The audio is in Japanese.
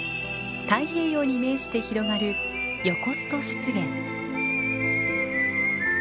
太平洋に面して広がるヨコスト湿原。